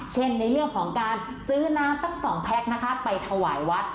ในเรื่องของการซื้อน้ำสักสองแพ็คนะคะไปถวายวัด